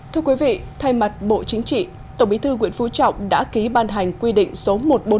thưa quý vị thay mặt bộ chính trị tổng bí thư nguyễn phú trọng đã ký ban hành quy định số một trăm bốn mươi